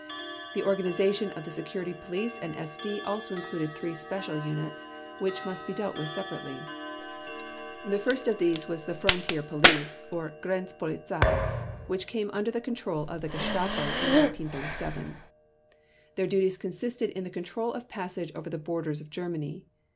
The organization of the Security Police and SD also included three special units which must be dealt with separately. The first of these was the Frontier Police or Grenzpolizei which came under the control of the Gestapo in 1937. Their duties consisted in the control of passage over the borders of Germany.